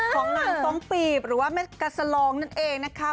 ของหนังสองปีบหรือว่าแม่กัสลองนั่นเองนะคะ